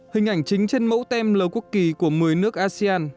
hình ảnh chính trên mẫu tem lầu quốc kỳ của một mươi nước asean